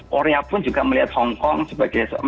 korea pun juga melihat hongkong sebagai